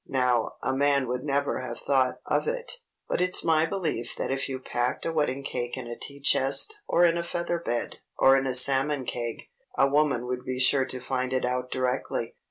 "Now, a man would never have thought of it! But it's my belief that if you packed a wedding cake in a tea chest, or in a feather bed, or in salmon keg, a woman would be sure to find it out directly.